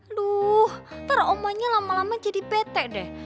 aduh nanti omahnya lama lama jadi bete deh